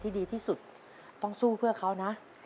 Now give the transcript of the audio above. ดีที่สุดต้องสู้เพื่อเขานะ